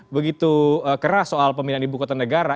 begitu keras soal pemindahan ibu kota negara